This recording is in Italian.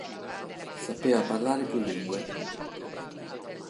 Sapeva parlare più lingue.